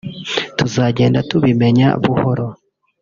tuzagenda tubimenya buhoro